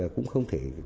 cũng không thể